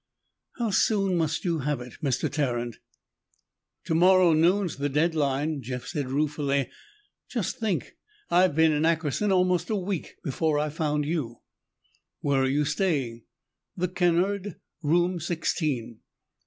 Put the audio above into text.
"How soon must you have it, Mr. Tarrant?" "Tomorrow noon's the deadline," Jeff said ruefully. "Just think! I've been in Ackerton almost a week before I found you." "Where are you staying?" "The Kennard. Room sixteen."